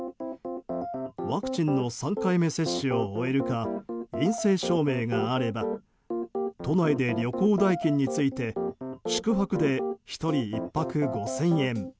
ワクチンの３回目接種を終えるか陰性証明があれば都内で旅行代金について宿泊で１人１泊５０００円